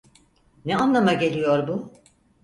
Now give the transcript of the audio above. Ne anlama geliyor bu?